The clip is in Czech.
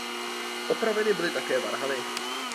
Opraveny byly také varhany.